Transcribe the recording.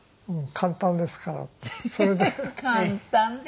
「簡単ですから」ってねえ？